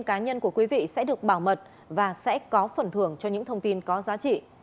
các cá nhân của quý vị sẽ được bảo mật và sẽ có phần thưởng cho những thông tin có giá trị